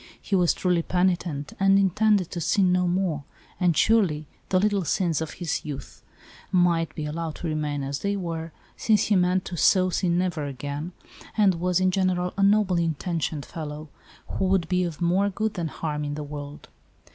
He was' truly penitent and intended to sin no more; and, surely, the little sins of his youth might be allowed to remain as they were, since he meant to so sin never again, and was, in general, a noble intentioned fellow, who would be of more good than harm in the world.